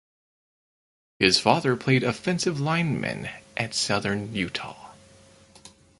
His father played offensive lineman at Southern Utah.